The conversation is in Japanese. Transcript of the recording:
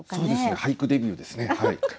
俳句デビューですねはい。